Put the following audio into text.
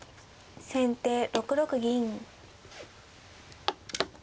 先手６六銀。